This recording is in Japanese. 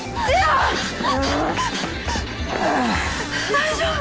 大丈夫？